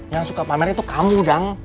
yang suka pamir itu kamu dang